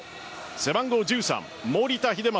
背番号１３・守田英正